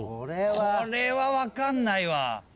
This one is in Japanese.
これは分かんないわ。